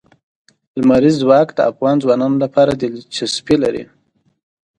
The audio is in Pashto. لمریز ځواک د افغان ځوانانو لپاره دلچسپي لري.